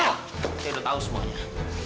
saya udah tahu semuanya